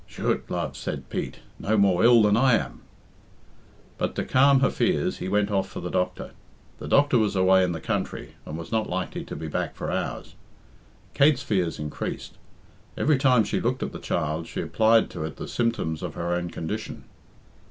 "Chut! love," said Pete; "no more ill than I am." But, to calm her fears, he went off for the doctor. The doctor was away in the country, and was not likely to be back for hours. Kate's fears increased. Every time she looked at the child she applied to it the symptoms of her own condition.